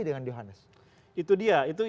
dengan johannes itu dia